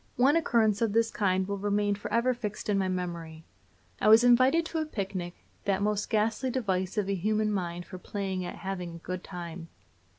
One occurrence of this kind will remain forever fixed in my memory. I was invited to a picnic, that most ghastly device of the human mind for playing at having a good time.